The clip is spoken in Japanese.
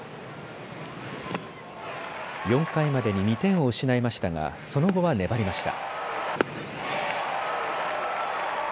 ４回までに２点を失いましたがその後は粘りました。